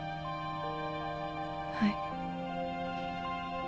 はい。